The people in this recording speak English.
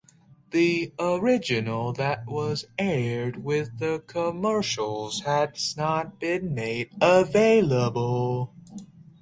The original that was aired with the commercials has not been made available.